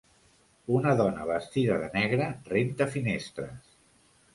Una dona vestida de negre renta finestres.